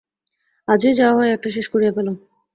আজই যা হয় একটা শেষ করিয়া ফেলো।